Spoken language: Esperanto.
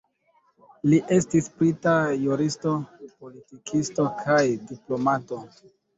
Li estis brita juristo, politikisto kaj diplomato.